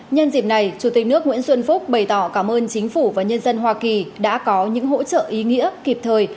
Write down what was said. nhân dịp này chủ tịch nước nguyễn xuân phúc bày tỏ cảm ơn chính phủ và nhân dân hoa kỳ đã có những hỗ trợ ý nghĩa kịp thời